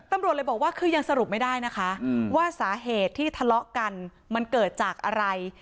ตำรวจเลยบอกว่าคือยังสรุปไม่ได้นะคะว่าสาเหตุที่ทะเลาะกันมันเกิดจากอะไร